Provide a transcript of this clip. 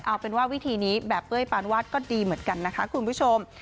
เอาเป็นว่าวิธีนี้แบบเป้ยปานวาดก็ดีเหมือนกันนะคะคุณผู้ชม